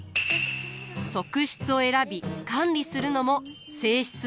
側室を選び管理するのも正室の役目。